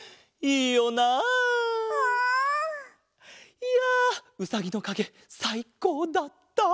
いやうさぎのかげさいこうだった。